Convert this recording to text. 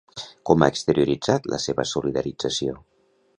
Com ha exterioritzat la seva solidarització?